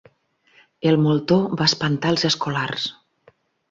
El moltó va espantar els escolars.